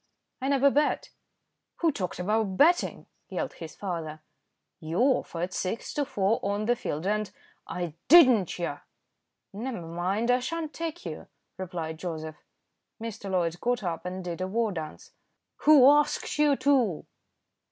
"I never bet." "Who talked about betting?" yelled his father. "You offered six to four on the field, and " "I didn't. Yah!" "Never mind; I sha'n't take you," replied Joseph. Mr. Loyd got up and did a war dance. "Who asked you to?"